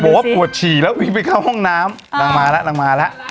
เบาะปวดฉีแล้ววิ่งไปเข้าห้องน้ำอ่านางมาละนางมาละ